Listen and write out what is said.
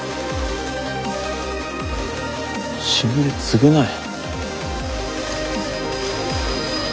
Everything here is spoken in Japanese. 死んで償え。